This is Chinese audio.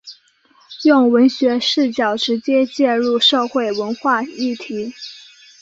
用文学视角直接介入社会文化议题。